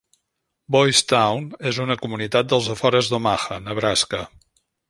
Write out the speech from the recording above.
Boys Town és una comunitat dels afores d'Omaha, Nebraska.